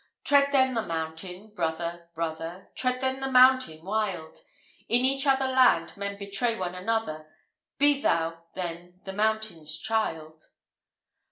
Tread then the mountain, brother, brother! Tread then the mountain wild! In each other land men betray one another; Be thou then the mountain's child.